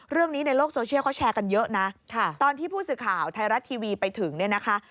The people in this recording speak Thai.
เรื่องนี้ในโลกโซเชียลเขาแชร์กันเยอะนะตอนที่ผู้สื่อข่าวไทยรัฐทีวีไปถึงเนี่ยนะคะ